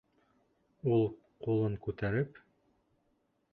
Ул ҡулын күтәреп: